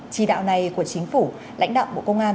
chỉ đạo này của chính phủ lãnh đạo bộ công an